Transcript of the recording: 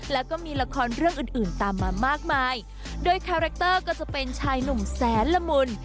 แล้วก็มีละครเรื่องอื่นอื่นตามมามากมายโดยคาแรคเตอร์ก็จะเป็นชายหนุ่มแสนละมุน